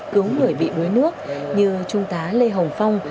cứu người bị đuối nước như trung tá lê hồng phong